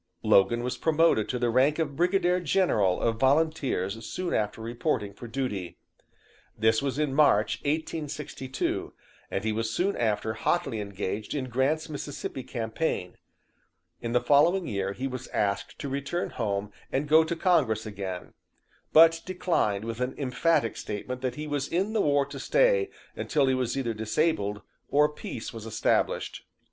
"Logan was promoted to the rank of Brigadier General of Volunteers soon after reporting for duty. This was in March, 1862, and he was soon after hotly engaged in Grant's Mississippi campaign. In the following year he was asked to return home and go to congress again, but declined with an emphatic statement that he was in the war to stay until he was either disabled or peace was established.